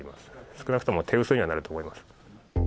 少なくとも手薄にはなると思います。